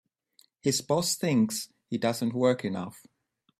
His boss thinks he doesn't work enough.